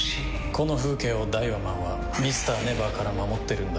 この風景をダイワマンはＭｒ．ＮＥＶＥＲから守ってるんだ。